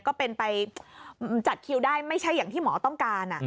ก็เป็นไปจัดคิวได้ไม่ใช่อย่างที่หมอต้องการ